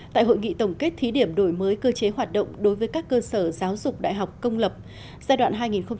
tại hội nghị tổng kết thí điểm đổi mới cơ chế hoạt động đối với các cơ sở giáo dục đại học công lập giai đoạn hai nghìn một mươi tám hai nghìn hai mươi